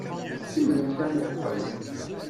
Kemmlemt amuqqel!